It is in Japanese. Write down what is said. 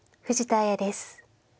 藤田綾です。